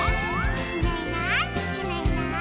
「いないいないいないいない」